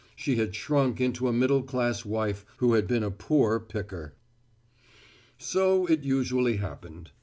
She had shrunk into a middle class wife who had been a poor picker. So it usually happened.